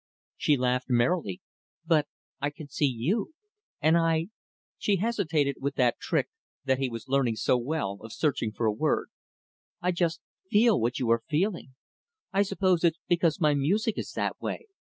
She laughed merrily. "But I can see you; and I" she hesitated with that trick, that he was learning to know so well, of searching for a word "I just feel what you are feeling. I suppose it's because my music is that way.